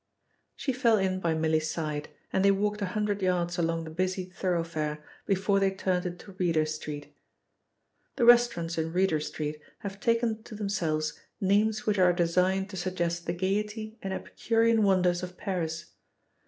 She fell in by Milly's side and they walked a hundred yards along the busy thoroughfare before they turned into Reeder Street. The restaurants in Reeder Street have taken to themselves names which are designed to suggest the gaiety and epicurean wonders of Paris.